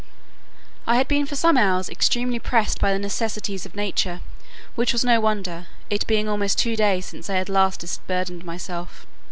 I had been for some hours extremely pressed by the necessities of nature; which was no wonder, it being almost two days since I had last disburdened myself.